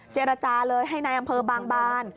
เจรจาเลยให้นายอำเภอบางบาน